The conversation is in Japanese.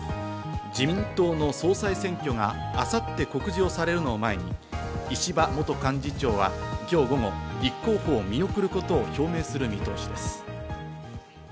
自民党の総裁選挙が明後日告示をされるのを前に、石破元幹事長は今日午後、立候補を見送ることを表明する見通しです。